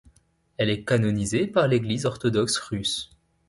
Elle est canonisée par l'Église orthodoxe russe.